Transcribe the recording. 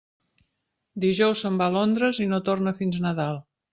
Dijous se'n va a Londres i no torna fins Nadal.